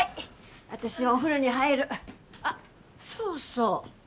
私はお風呂に入るあっそうそう